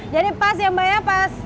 jadi pas ya mbak ya pas